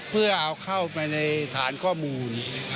เพื่อเอาเข้าไปในฐานข้อมูล